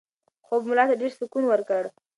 خوب ملا ته ډېر سکون ورکړ.